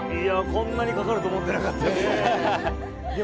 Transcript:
こんなにかかると思ってなかったんで。